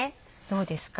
どうですか？